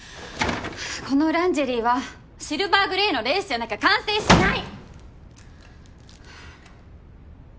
このランジェリーはシルバーグレーのレースじゃなきゃ完成しない！